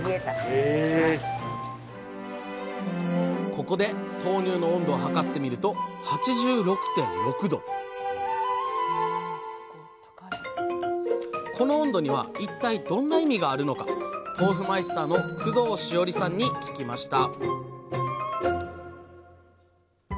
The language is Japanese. ここで豆乳の温度を測ってみると８６．６℃この温度には一体どんな意味があるのか豆腐マイスターの工藤詩織さんに聞きました